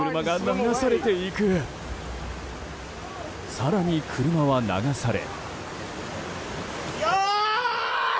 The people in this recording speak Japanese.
更に車は流され。